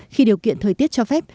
khi điều kiện thời tiết cho phép